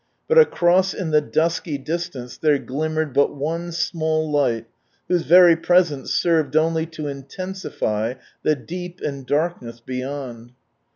But across in the dusky distance there glimmered but one small light, whose very presence served only to intensify the deep sad darkness beyond.